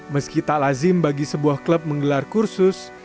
meski tak lazim bagi sebuah klub menggelar kursus